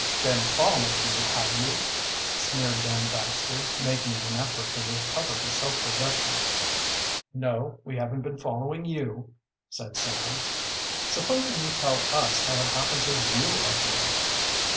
"Been following me, have you?" sneered Dan Baxter, making an effort to recover his self possession. "No, we haven't been following you," said Sam. "Supposing you tell us how it happens that you are here?"